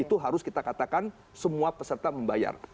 itu harus kita katakan semua peserta membayar